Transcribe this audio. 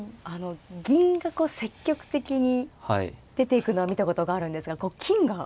銀がこう積極的に出ていくのは見たことがあるんですがこう金が。